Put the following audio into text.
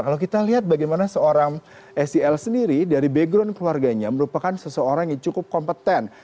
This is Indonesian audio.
kalau kita lihat bagaimana seorang sel sendiri dari background keluarganya merupakan seseorang yang cukup kompeten